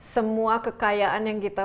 semua kekayaan yang kita